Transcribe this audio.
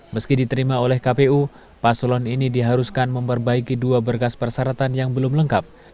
meski diterima oleh kpu paslon ini diharuskan memperbaiki dua berkas persyaratan yang belum lengkap